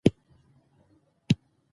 ماشوم له ملګرو سره نظر شریک کړ